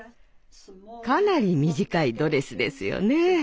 かなり短いドレスですよね。